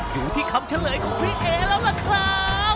อยู่ที่คำเฉลยของพี่เอแล้วล่ะครับ